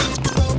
wah keren banget